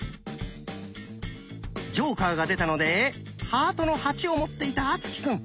ジョーカーが出たので「ハートの８」を持っていた敦貴くん。